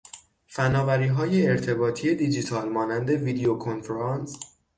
فنآوریهای ارتباطی دیجیتال مانند ویدیو کنفرانس